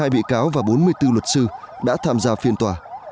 hai mươi hai bị cáo và bốn mươi bốn luật sư đã tham gia phiên tòa